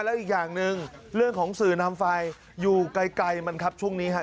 แล้วอีกอย่างหนึ่งเรื่องของสื่อนำไฟอยู่ไกลมันครับช่วงนี้ฮะ